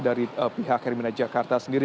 dari pihak herina jakarta sendiri